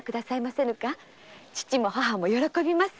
父も母も喜びます。